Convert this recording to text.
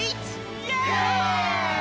イエーイ！